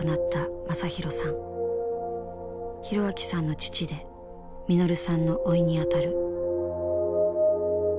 弘明さんの父で實さんの甥にあたる。